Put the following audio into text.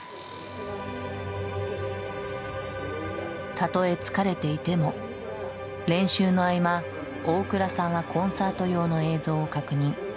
たとえ疲れていても練習の合間大倉さんはコンサート用の映像を確認。